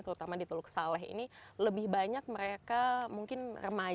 terutama di teluk saleh ini lebih banyak mereka mungkin remaja